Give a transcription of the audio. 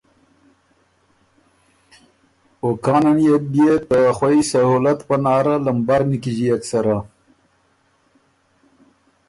او کانه نيې بُو بيې ته خوئ سهولت پناره لمبر نیکیݫيېک سره۔